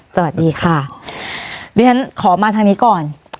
สวัสดีครับสวัสดีค่ะดิฉันขอมาทางนี้ก่อน